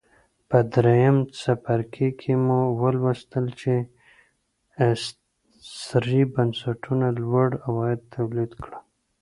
په درېیم څپرکي کې مو ولوستل چې استثري بنسټونو لوړ عواید تولید کړل